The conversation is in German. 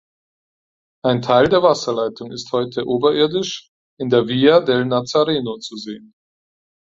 Ein Teil der Wasserleitung ist heute oberirdisch in der Via del Nazareno zu sehen.